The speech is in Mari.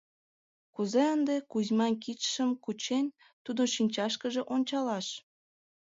Кузе ынде, Кузьман кидшым кучен, тудын шинчашкыже ончалаш?